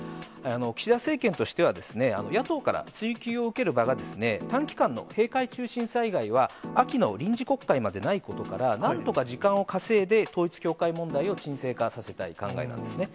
岸田政権としては、野党から追及を受ける場が短期間の閉会中審査以外は、秋の臨時国会までないことから、なんとか時間を稼いで、統一教会問題を沈静化させたい考えなんですね。